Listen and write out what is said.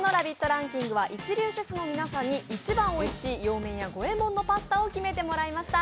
ランキングは一流シェフの皆さんに一番おいしい洋麺屋五右衛門のパスタを決めてもらいました。